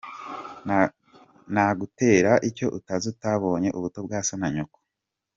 Nagutera icyo utazi utabonye:ubuto bwa so na nyoko.